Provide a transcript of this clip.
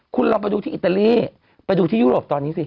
คุณลองไปดูที่อิตาลีไปดูที่ยุโรปตอนนี้สิ